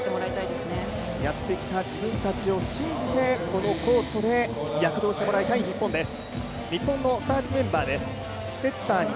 やってきた自分たちを信じて、このコートで躍動してもらいたい日本です。